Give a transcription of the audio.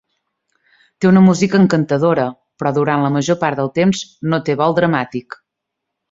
Té una música encantadora, però durant la major part del temps no té vol dramàtic.